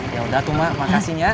ya udah tuh mak makasih ya